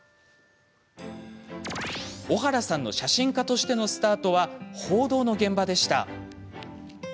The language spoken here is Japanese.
小原さんの写真家としてのスタートは報道の現場でした。